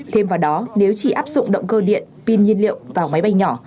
thêm vào đó nếu chỉ áp dụng động cơ điện pin nhiên liệu vào máy bay nhỏ